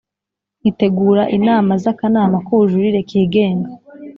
itegura inama z Akanama k Ubujurire kigenga